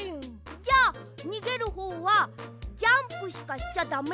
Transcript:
じゃにげるほうはジャンプしかしちゃだめ。